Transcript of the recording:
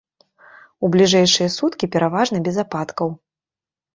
У бліжэйшыя суткі пераважна без ападкаў.